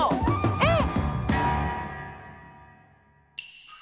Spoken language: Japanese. うん！